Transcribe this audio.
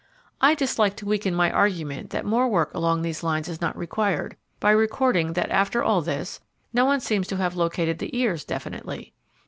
I dislike to weaken my argument that more work along these lines is not required, by recording that after all this, no one seems to have located the ears definitely.